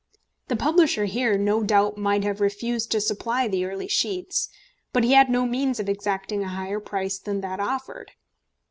The publisher here no doubt might have refused to supply the early sheets, but he had no means of exacting a higher price than that offered.